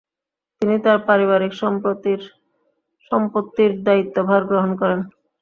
তিনি তার পারিবারিক সম্পত্তির দায়িত্বভার গ্রহণ করেন।